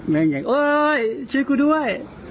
แม่งอยากโอ้ยช่วยกูด้วย